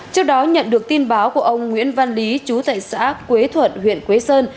trước đó nhận được tin báo của ông nguyễn văn lý chú tại xã quế thuận huyện quế sơn